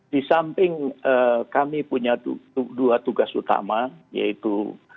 disamping kami punya dua tugas utama yaitu